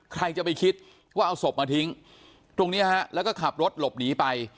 ใครจะไปคิดว่าเอาศพมาทิ้งตรงนี้ฮะแล้วก็ขับรถหลบหนีไป